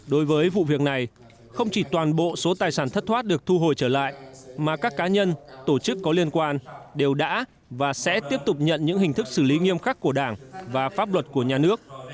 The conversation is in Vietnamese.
đối với vụ việc này không chỉ toàn bộ số tài sản thất thoát được thu hồi trở lại mà các cá nhân tổ chức có liên quan đều đã và sẽ tiếp tục nhận những hình thức xử lý nghiêm khắc của đảng và pháp luật của nhà nước